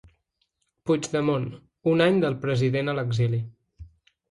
Puigdemont, un any del president a l’exili.